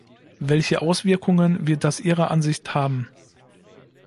Welche Auswirkungen wir das Ihrer Ansicht haben?